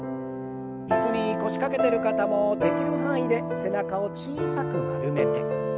椅子に腰掛けてる方もできる範囲で背中を小さく丸めて。